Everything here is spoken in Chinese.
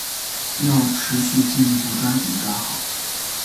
要持续进一步抓紧抓好